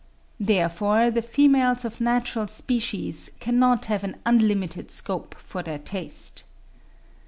Therefore the females of natural species cannot have an unlimited scope for their taste.